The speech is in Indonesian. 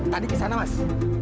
tadi di sana mas